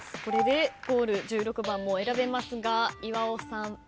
これでゴール１６番も選べますが岩尾さん。